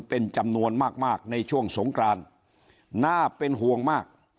เป็นจำนวนมากมากในช่วงสงกรานน่าเป็นห่วงมาก